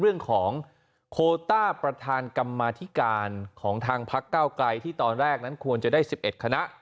เรื่องของโคต้าประธานกรรมาธิการของทางพักเก้าไกลที่ตอนแรกนั้นควรจะได้๑๑คณะ